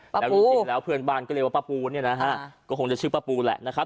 แล้วจริงแล้วเพื่อนบ้านก็เรียกว่าป้าปูเนี่ยนะฮะก็คงจะชื่อป้าปูแหละนะครับ